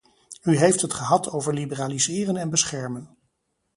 U heeft het gehad over liberaliseren en beschermen.